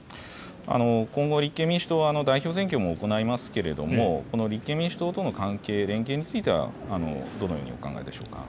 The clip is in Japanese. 今後、立憲民主党は代表選挙も行いますけれども、立憲民主党との関係、連携については、どのようにお考えでしょうか。